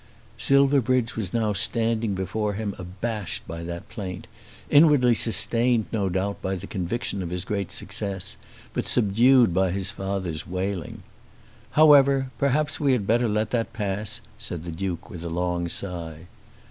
Silverbridge was now standing before him abashed by that plaint, inwardly sustained no doubt by the conviction of his great success, but subdued by his father's wailing. "However, perhaps we had better let that pass," said the Duke, with a long sigh.